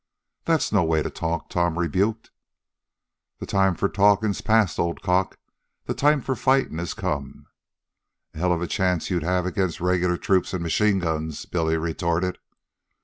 "That's no way to talk," Tom rebuked. "The time for talkin' 's past, old cock. The time for fightin' 's come." "A hell of a chance you'd have against regular troops and machine guns," Billy retorted.